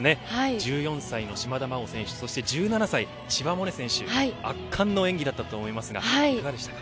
１４歳の島田麻央選手そして１７歳千葉百音選手、圧巻の演技だったと思いますが、いかがでしたか。